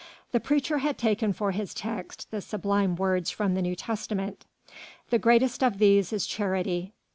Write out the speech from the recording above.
The preacher had taken for his text the sublime words from the New Testament: "The greatest of these is charity."